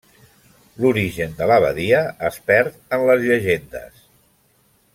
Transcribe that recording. L'origen de l'abadia es perd en les llegendes.